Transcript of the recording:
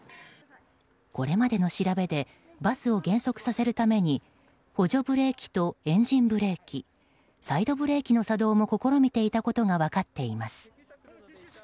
これまでの調べでバスを減速させるために補助ブレーキとエンジンブレーキサイドブレーキの作動も試みていたことが分かっています。